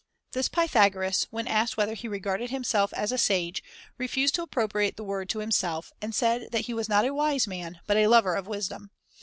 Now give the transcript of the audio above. This Pythagoras, when asked whether he regarded himself as a sage, refused to appropriate the word to him self, and said that he was not a wise man, but a lover of wisdom.